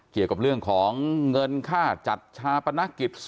เกี่ยวของเรื่องของเงินค่าจัดค่าภนาคิด